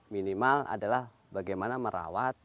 minimal adalah bagaimana merawat